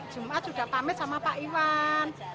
jumat sudah pamit sama pak iwan